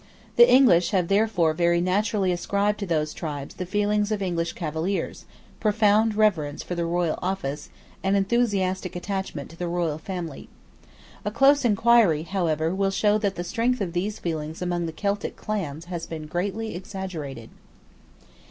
The English have therefore very naturally ascribed to those tribes the feelings of English cavaliers, profound reverence for the royal office, and enthusiastic attachment to the royal family. A close inquiry however will show that the strength of these feelings among the Celtic clans has been greatly exaggerated.